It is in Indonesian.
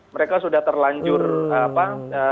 mereka sudah terlanjur solid